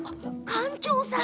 館長さん